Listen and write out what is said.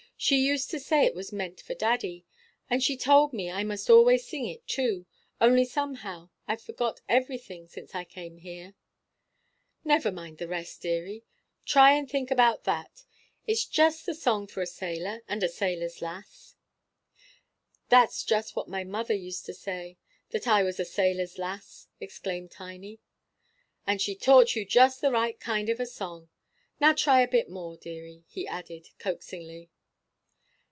She used to say it was meant for daddy. And she told me I must always sing it, too, only somehow I've forgot everything since I came here." "Never mind the rest, deary; try and think about that. It's just the song for a sailor and a sailor's lass." "That's just what my mother used to say that I was a sailor's lass!" exclaimed Tiny. "And she taught you just the right kind of a song. Now try a bit more, deary," he added, coaxingly.